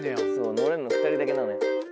ノれるの２人だけなのよ。